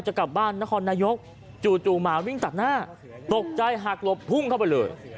จะกลับบ้านนครนายกจู่หมาวิ่งตัดหน้าตกใจหักหลบพุ่งเข้าไปเลย